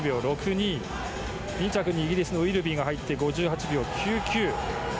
２着にイギリスのウィルビーが入って５８秒９９。